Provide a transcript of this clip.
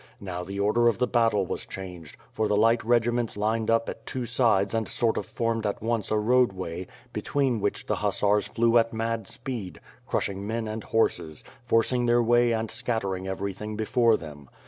Now the order of the battle was changed; for the light regiments lined up at two sides and Wirn FIRE AND SWORD. 345 sort of formed at once a roadway, between which the hussars flew at mad speed; crushing men and horees, forcing their way and scattering everything before them.